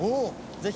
ぜひ。